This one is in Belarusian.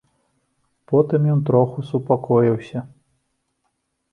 Потым ён троху супакоіўся.